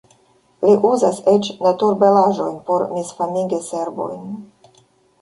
Li uzas eĉ naturbelaĵojn por misfamigi serbojn.